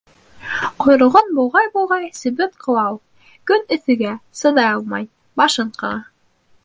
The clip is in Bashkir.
Ҡойроғон болғай-болғай себен ҡыуа ул, көн эҫегә, сыҙай алмай, башын ҡаға.